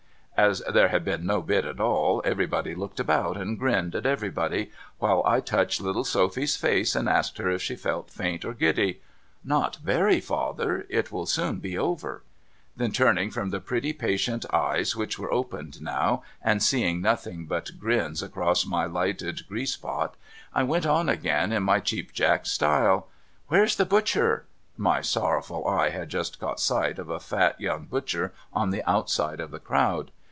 As there had been no bid at all, everybody looked about and grinned at everybody, while I touched little Sophy's face and asked her if she felt faint, or giddy. ' Not very, father. It will soon be over.' Then turning from the pretty patient eyes, which were opened now, and seeing nothing but grins across my lighted grease pot, I went on again in my Cheap Jack style. ' ^^'here's the butcher?' (My sorrowful eye had just caught sight of a fat young butcher on the outside of the crowd.)